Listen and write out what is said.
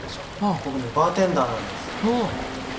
僕ねバーテンダーなんです。